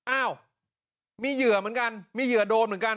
อ้าวมีเหยื่อเหมือนกันมีเหยื่อโดนเหมือนกัน